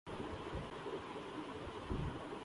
جب دیکھو یا سنو تو لندن میں تشریف فرما ہیں۔